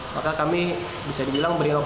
maka kami bisa dibilang beringat